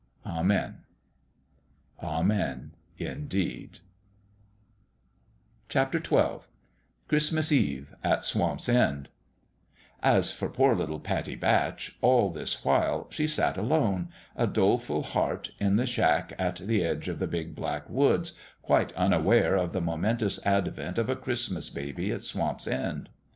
Amen." Amen, indeed 1 XII CHRISTMAS EYE AT SWAMP'S END AS for poor little Pattie Batch, all this while, she sat alone, a doleful heart, in the shack at the edge of the big, black woods, quite unaware of the momentous advent of a Christmas baby at Swamp's End.